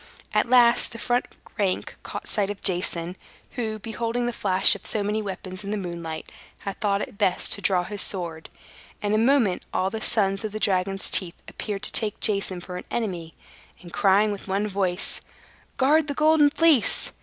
At last, the front rank caught sight of Jason, who, beholding the flash of so many weapons in the moonlight, had thought it best to draw his sword. In a moment all the sons of the dragon's teeth appeared to take Jason for an enemy; and crying with one voice, "Guard the Golden Fleece!"